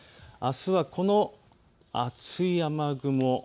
あすはこの厚い雨雲